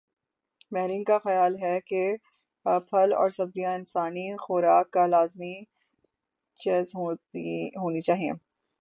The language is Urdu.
ماہرین کا خیال ہے کہ پھل اور سبزیاں انسانی خوراک کا لازمی جز ہونی چاہئیں